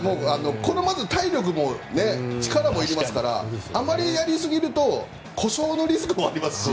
体力も力もいりますからあまりやりすぎると故障のリスクもありますし。